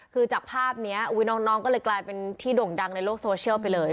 คือจากภาพนี้น้องก็เลยกลายเป็นที่โด่งดังในโลกโซเชียลไปเลย